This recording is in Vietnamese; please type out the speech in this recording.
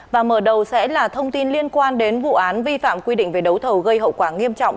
và mở đầu sẽ là thông tin liên quan đến vụ án vi phạm quy định về đấu thầu gây hậu quả nghiêm trọng